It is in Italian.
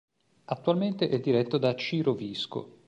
Attualmente è diretto da Ciro Visco.